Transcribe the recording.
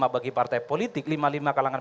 bagi partai politik lima lima kalangan